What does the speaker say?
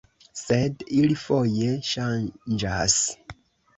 Sed ili foje ŝanĝas.